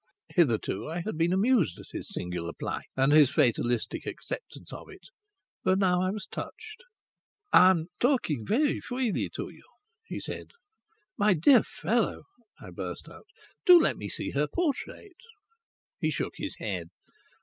Hitherto I had been amused at his singular plight and his fatalistic acceptance of it. But now I was touched. "I'm talking very freely to you," he said. "My dear fellow," I burst out, "do let me see her portrait." He shook his head.